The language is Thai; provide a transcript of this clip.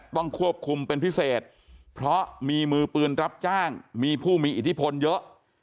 ต้องควบคุมเป็นพิเศษเพราะมีมือปืนรับจ้างมีผู้มีอิทธิพลเยอะ